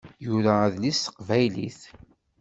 Yura adlis s teqbaylit.